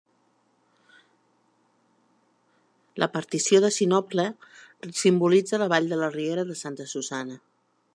La partició de sinople simbolitza la vall de la riera de Santa Susanna.